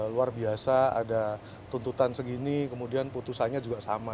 luar biasa ada tuntutan segini kemudian putusannya juga sama